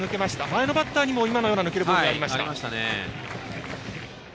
前のバッターにも今のような抜けるボールがありました。